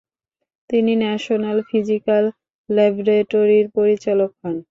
তিনি national physical ল্যাবরেটরির পরিচালক হন।